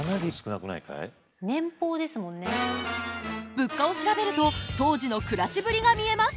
物価を調べると当時の暮らしぶりが見えます。